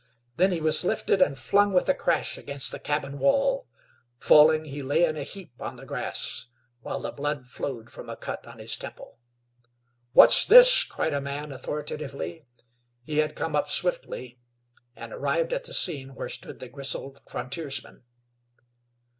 Then he was lifted and flung with a crash against the cabin wall. Falling, he lay in a heap on the grass, while the blood flowed from a cut on his temple. "What's this?" cried a man, authoritatively. He had come swiftly up, and arrived at the scene where stood the grizzled frontiersman.